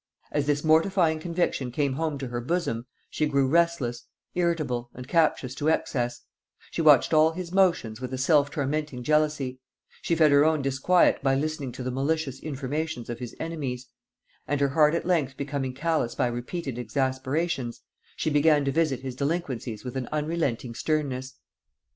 As this mortifying conviction came home to her bosom, she grew restless, irritable, and captious to excess; she watched all his motions with a self tormenting jealousy; she fed her own disquiet by listening to the malicious informations of his enemies; and her heart at length becoming callous by repeated exasperations, she began to visit his delinquencies with an unrelenting sternness.